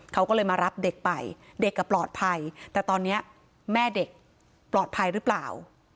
เขาก็เลยมารับเด็กไปเด็กปลอดภัยแต่ตอนนี้แม่เด็กปลอดภัยหรือเปล่า